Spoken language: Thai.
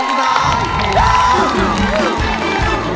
ได้แล้ว